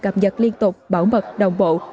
cập nhật liên tục bảo mật đồng bộ